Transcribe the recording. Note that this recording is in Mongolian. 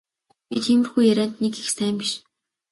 Би тиймэрхүү ярианд нэг их сайн биш.